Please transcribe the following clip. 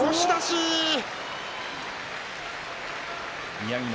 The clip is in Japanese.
宮城野